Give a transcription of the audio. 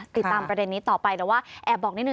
ติดตามประเด็นนี้ต่อไปแต่ว่าแอบบอกนิดนึ